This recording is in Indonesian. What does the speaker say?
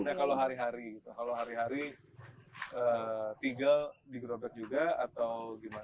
nah kalau hari hari gitu kalau hari hari tidur di gerobak juga atau gimana